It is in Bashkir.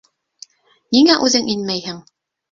Ниңә үҙең инмәйһең?